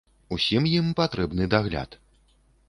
Усім ім патрэбны дагляд.